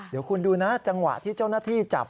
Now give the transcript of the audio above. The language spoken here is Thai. เดี๋ยวคุณดูนะจังหวะที่เจ้าหน้าที่จับ